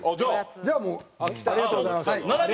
じゃあもうありがとうございます。